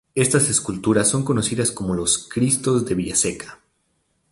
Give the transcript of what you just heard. Estas esculturas son conocidas como "los cristos de Villaseca".